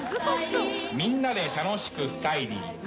みんなで楽しくスタイリー。